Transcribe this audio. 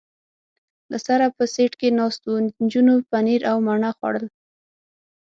له سره په سېټ کې ناست و، نجونو پنیر او مڼه خوړل.